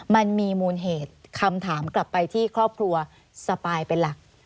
มันมีมูลเหตุคำถามกลับไปที่ครอบครัวสปายเป็นหลัก